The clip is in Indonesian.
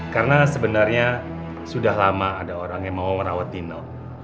karena sebenarnya sudah lama ada orang yang mau merawat nino